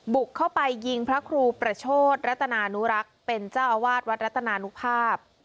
บุกเข้าไปยิงพระครูประโชธรัตนานุรักษ์เป็นเจ้าอาวาสวัดรัตนานุภาพ